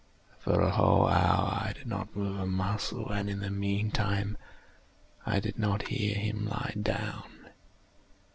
For a whole hour I did not move a muscle, and in the meantime I did not hear him lie down.